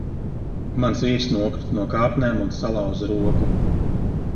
Mans vīrs nokrita no kāpnēm un salauza roku.